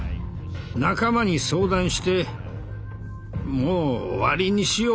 仲間に相談して「もう終わりにしよう。